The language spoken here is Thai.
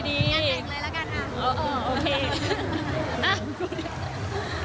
งานแต่งเลยละกันอ่ะโอเคอ่ะ